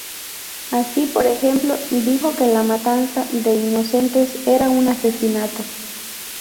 Así, por ejemplo, dijo que la matanza de inocentes era un asesinato.